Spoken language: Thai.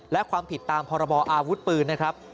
และความผิดตามพรบออาวุธปืนนะครับ